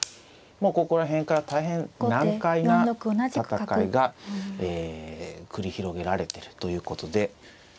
もうここら辺から大変難解な戦いがえ繰り広げられてるということで。